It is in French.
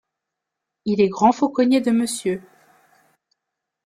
Il est grand fauconnier de Monsieur.